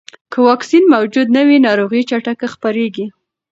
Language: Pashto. که واکسین موجود نه وي، ناروغي چټکه خپرېږي.